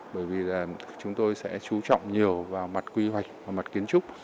bởi vì là chúng tôi sẽ chú trọng nhiều vào mặt quy hoạch và mặt kiến trúc